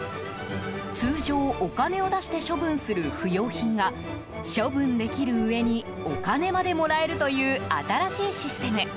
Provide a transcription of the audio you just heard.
通常お金を出して処分する不用品が処分できるうえに、お金までもらえるという新しいシステム。